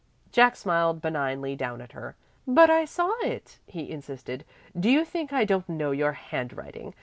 Jack smiled benignly down at her. "But I saw it," he insisted. "Do you think I don't know your handwriting?